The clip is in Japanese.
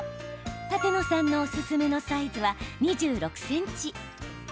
舘野さんのおすすめのサイズは２６ｃｍ。